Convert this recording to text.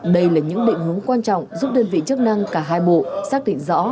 đây là những định hướng quan trọng giúp đơn vị chức năng cả hai bộ xác định rõ